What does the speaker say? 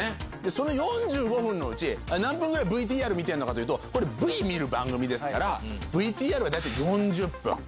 その４５分のうち何分ぐらいＶＴＲを見てるのかというとこれＶＴＲ見る番組ですからＶＴＲが大体４０分。